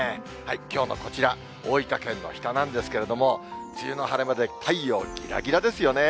きょうのこちら、大分県の日田なんですけども、梅雨の晴れ間で太陽ぎらぎらですよね。